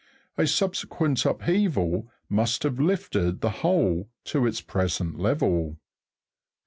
A subsequent upheaval must have lifted the whole to its present level.